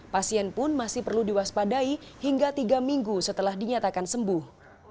pasien pun masih perlu diwaspadai hingga tiga minggu setelah dinyatakan sembuh